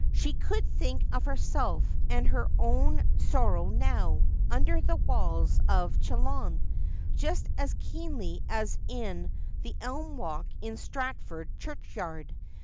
She could think of herself and her own sorrow now, under the walls of Chillon, just as keenly as in the elm walk in Stratford churchyard.